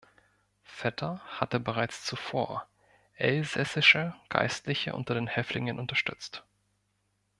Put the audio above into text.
Vetter hatte bereits zuvor elsässische Geistliche unter den Häftlingen unterstützt.